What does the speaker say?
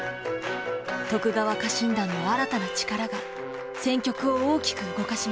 徳川家臣団の新たな力が戦局を大きく動かします。